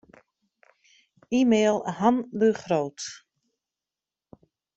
E-mail Han de Groot.